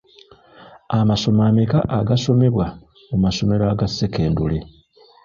Amasomo ameka agasomesebwa mu masomero aga sekendule?